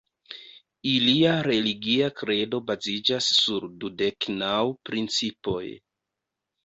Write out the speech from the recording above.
Ilia religia kredo baziĝas sur "dudek naŭ principoj".